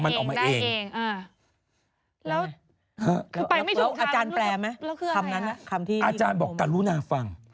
อาจารย์บอกก่อนรู้น่าฟัง